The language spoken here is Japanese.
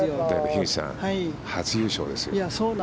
樋口さんでも、初優勝ですよ。